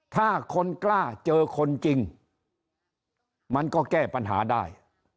ถ้าคนกล้าเจอคนจริงมันก็แก้ปัญหาได้